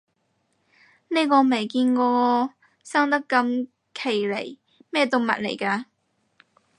呢個未見過喎，生得咁奇離，咩動物嚟㗎